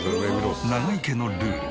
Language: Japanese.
永井家のルール。